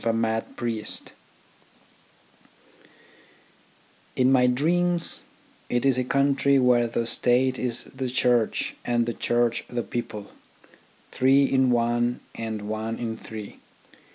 29 30 THE ORGANISATION OF THOUGHT mad priest : "In my dreams it is a country where the State is the Church and the Church the people: three in one and one in three.